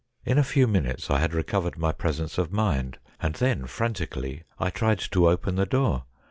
In a few minutes I had recovered my presence of mind, and then frantically I tried to open the door.